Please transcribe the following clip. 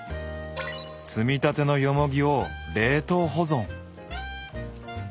摘みたてのよもぎを冷凍保存。